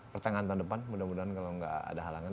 pertengahan tahun depan mudah mudahan kalau nggak ada halangan